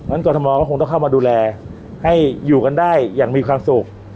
เพราะฉะนั้นตัวธรรมองค์ก็คงต้องเข้ามาดูแลให้อยู่กันได้อย่างมีความสุข